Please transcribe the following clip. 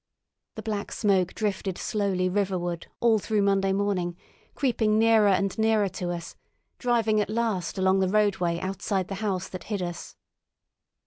The Black Smoke drifted slowly riverward all through Monday morning, creeping nearer and nearer to us, driving at last along the roadway outside the house that hid us.